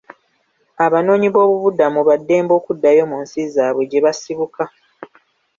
Abanoonyiboobubudamu ba ddembe okuddayo mu nsi zaabwe gye basibuka.